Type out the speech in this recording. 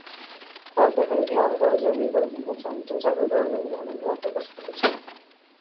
তাঁর দেখাদেখি আরও কয়েকজন রিপাবলিকান সমর্থক চাঁদা দেওয়ার ব্যাপারে আগ্রহ প্রকাশ করেছেন।